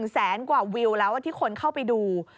แสนกว่าวิวแล้วที่คนเข้าไปดู